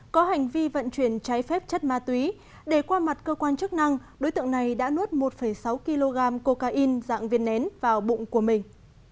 có hành vi vận chuyển trái phép chất ma túy để qua mặt cơ quan chức năng đối tượng này đã nuốt một sáu kg cocaine dạng viên nén vào bụng của mình